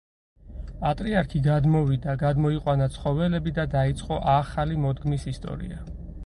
პატრიარქი გადმოვიდა, გამოიყვანა ცხოველები და დაიწყო ახალი მოდგმის ისტორია.